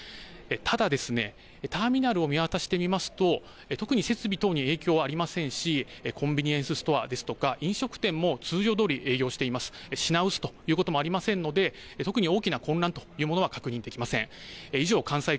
ただターミナルを見渡してみますと特に設備等に影響はありませんしコンビニエンスストアですとか飲食店も通常どおり営業していますし品薄ということもありませんので特に大きな混乱というものは確認できません。